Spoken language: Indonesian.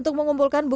ketemu di pps